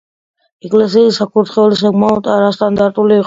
ეკლესიის საკურთხეველი საკმაოდ არასტანდარტული იყო.